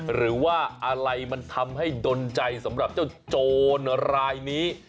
หรือว่าอะไรมันทำให้ดนใจสำหรับเจ้าโจรรายนี้